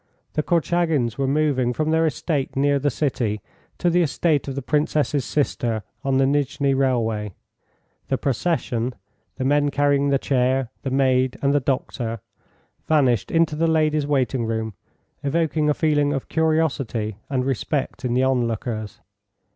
The Korchagins were moving from their estate near the city to the estate of the Princess's sister on the Nijni railway. The procession the men carrying the chair, the maid, and the doctor vanished into the ladies' waiting room, evoking a feeling of curiosity and respect in the onlookers.